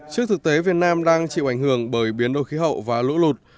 trước thực tế việt nam đang chịu ảnh hưởng bởi biến đổi khí hậu và lũ lụt